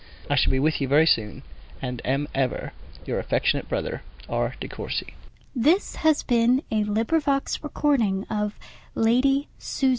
I shall be with you very soon, and am ever, Your affectionate brother, R. DE COURCY.